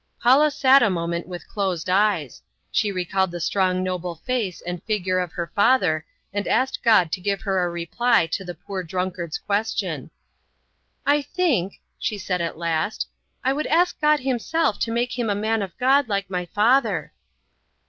Paula sat a moment with closed eyes. She recalled the strong noble face and figure of her dear father and asked God to give her a reply to the poor drunkard's question. "I think," she said at last, "I would ask God Himself to make him a man of God like my father."